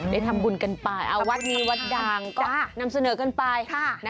ได้ทำบุญกันไปเอาวัดนี้วัดดังก็นำเสนอกันไป